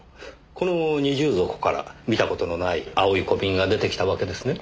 この二重底から見た事のない青い小瓶が出てきたわけですね？